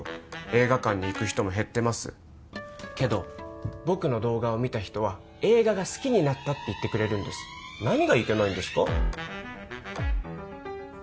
映画館に行く人も減ってますけど僕の動画を見た人は映画が好きになったって言ってくれるんです何がいけないんですか？